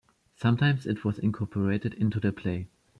Sometimes it was incorporated into the play.